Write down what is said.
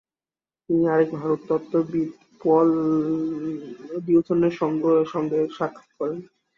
তিনি আরেক ভারততত্ত্ববিদ পল ডিউসেনের সঙ্গ সাক্ষাৎ করেন।